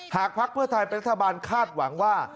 หากพรรคเพื่อทายไปรัฐบาลคาดหวังว่า